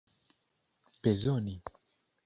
bezoni